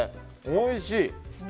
おいしい！